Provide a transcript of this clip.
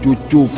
cucuku harus bisa